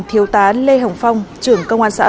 thiếu tá lê hồng phong trưởng công an xã